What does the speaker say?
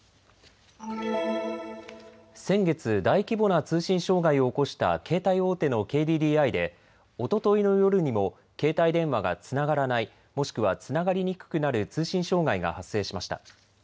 先月、大規模な通信障害を起こした携帯大手のＫＤＤＩでおとといの夜にも携帯電話がつながらない、もしくはつながりにくくなる通信障害が発生しました。